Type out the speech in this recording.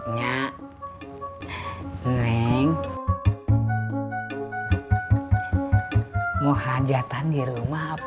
nanti kalau ayah ketemu mbak be